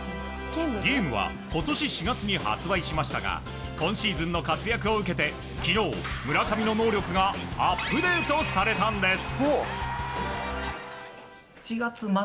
ゲームは今年４月に発売しましたが今シーズンの活躍を受けて昨日、村上の能力がアップデートされたんです。